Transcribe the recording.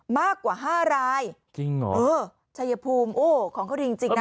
มากกว่าห้ารายจริงเหรอเออชัยภูมิโอ้ของเขาดีจริงจริงนะ